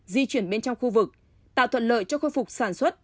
di chuyển bên trong khu vực tạo thuận lợi cho khôi phục sản xuất